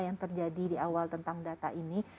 yang terjadi di awal tentang data ini